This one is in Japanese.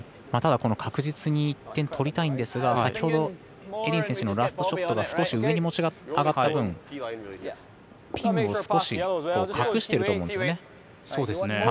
ただ、確実に１点取りたいんですが先ほどエディン選手のラストショットが少し上に持ち上がった分ピンを少し隠していると思うんですね。